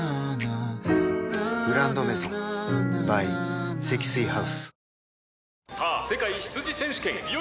「グランドメゾン」ｂｙ 積水ハウス